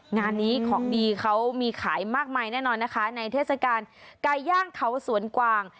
งานนี้ของดีเขามีขายมากมายแน่นอนนะคะในเทศกาลไก่ย่างเขาสวนกวาง